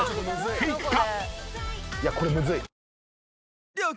フェイクか？］